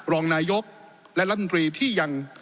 รองนายกรัมตรีและรัฐนตรีที่ยัง